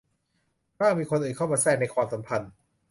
บ้างมีคนอื่นเข้ามาแทรกในความสัมพันธ์